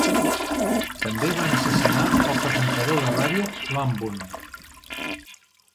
També van assassinar el presentador de ràdio Lam Bun.